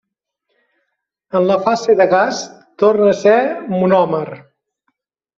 En la fase de gas torna a ser monòmer.